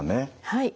はい。